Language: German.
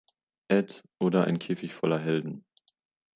Ed" oder "Ein Käfig voller Helden".